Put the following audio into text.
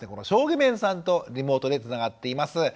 將基面さんとリモートでつながっています。